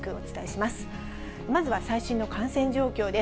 まずは最新の感染状況です。